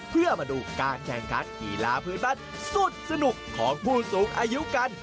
เพื่อมาดูการแข่งขันกีฬาพื้นบ้านสุดสนุกของผู้สูงอายุกัน